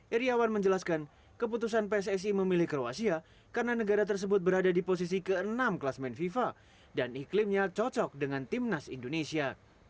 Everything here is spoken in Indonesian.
iryawan menjelaskan keputusan pssi memilih kroasia karena negara tersebut berada di posisi ke enam kelas main fifa dan iklimnya cocok dengan timnas indonesia